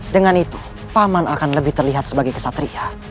dengan itu paman akan lebih terlihat sebagai kesatria